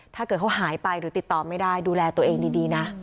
ถ้าเกิดเขาหายไปหรือติดต่อไม่ได้ดูแลตัวเองดีนะ